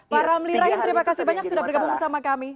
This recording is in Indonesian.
pak ramlirah yang terima kasih banyak sudah bergabung sama kami